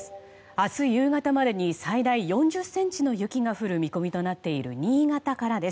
明日、夕方までに最大４０ｃｍの雪が降る見込みとなっている新潟からです。